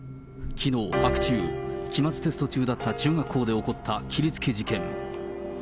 きのう白昼、期末テスト中だった中学校で起こった切りつけ事件。